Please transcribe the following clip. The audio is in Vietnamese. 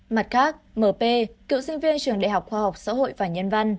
mặt khác m p cựu sinh viên trường đại học khoa học xã hội và nhân văn